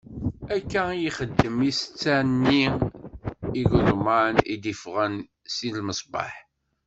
Akka i yexdem i setta-nni n igeḍman i d-iffɣen si lmeṣbaḥ.